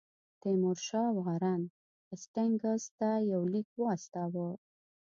تیمورشاه وارن هیسټینګز ته یو لیک واستاوه.